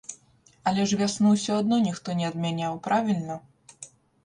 Але ж вясну ўсё адно ніхто не адмяняў, правільна?